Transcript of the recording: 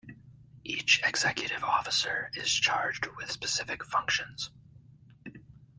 Each executive officer is charged with specific functions.